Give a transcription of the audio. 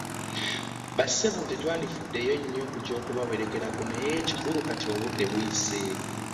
Bassebo tetwandifuddeyo nnyo ku ky'okubawerekerako naye ekikulu kati obudde buyise